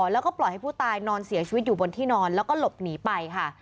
แล้วก็ปล่อยให้ผู้ตายนอนเสียชีวิตอยู่บนที่นอนแล้วก็หลบหนีไปค่ะ